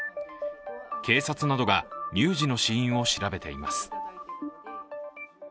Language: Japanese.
警察などが乳児の死因を調べています。